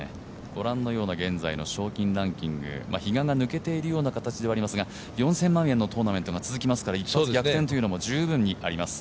ご覧のような現在の賞金ランキング比嘉が抜けているような状況ですが４０００万円のトーナメントが続きますから一発逆転も十分にあります。